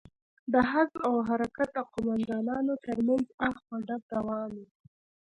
د حزب او حرکت د قومندانانو تر منځ اخ و ډب روان و.